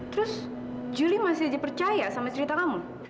terus julie masih aja percaya sama cerita kamu